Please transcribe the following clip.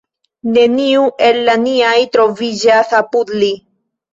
Neniu el la niaj troviĝas apud li.